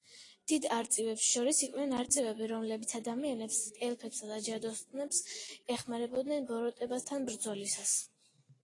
დიდ არწივებს შორის იყვნენ არწივები, რომლებიც ადამიანებს, ელფებსა და ჯადოსნებს ეხმარებოდნენ ბოროტებასთან ბრძოლისას.